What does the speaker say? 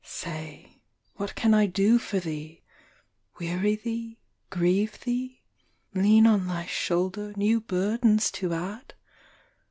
n. Say, what can I do for thee P weary thee, grieve thee ? Lean on thy shoulder, new burdens to add